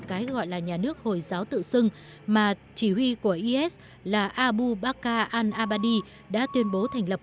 cái gọi là nhà nước hồi giáo tự xưng mà chỉ huy của is là abu baka al abadi đã tuyên bố thành lập